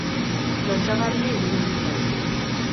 Lotsagarria iruditu zait